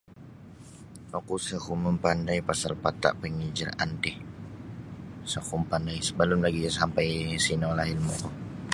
Oku isa ku mampandai pasal pata penghijraan ti isa ku mapandai balum lagi sampai sino ilmu ku.